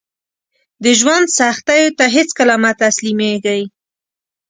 د ژوند سختیو ته هیڅکله مه تسلیمیږئ